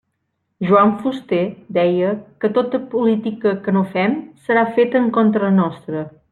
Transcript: Joan Fuster deia que “tota política que no fem serà feta en contra nostra”.